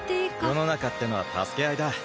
世の中ってのは助け合いだ。